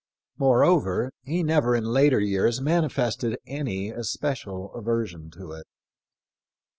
Moreover, he never in later years manifested any especial aversion to it.